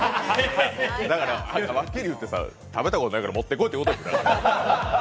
はっきり言って食べたことないから持ってこいってことでしょう。